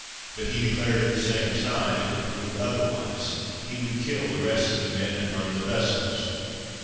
But he declared at the same time, if it proved otherwise, he would kill the rest of the men, and burn the vessels.